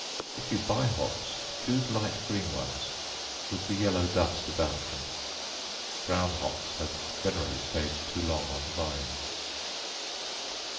If you buy hops, choose light green ones, with the yellow dust about them. Brown hops have generally stayed too long on the vines.